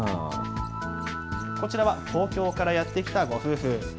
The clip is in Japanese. こちらは東京からやって来たご夫婦。